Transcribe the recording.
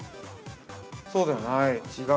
◆そうではない？